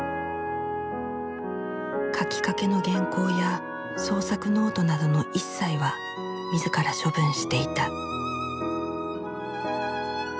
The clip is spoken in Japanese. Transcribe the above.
書きかけの原稿や創作ノートなどの一切は自ら処分していた。